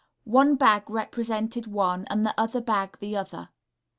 One bag represented one, and the other bag the other.